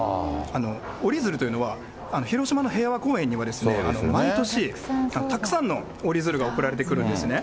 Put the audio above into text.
折り鶴というのは広島の平和公園には、毎年たくさんの折り鶴が送られてくるんですね。